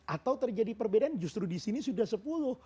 atau terjadi perbedaan justru disini sudah sepuluh